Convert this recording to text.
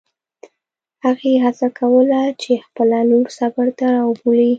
هغې هڅه کوله چې خپله لور صبر ته راوبولي.